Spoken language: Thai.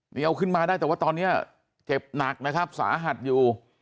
นี่เอาขึ้นมาได้แต่ว่าตอนนี้เจ็บหนักนะครับสาหัสอยู่